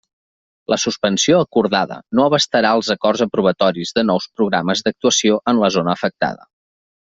La suspensió acordada no abastarà els acords aprovatoris de nous programes d'actuació en la zona afectada.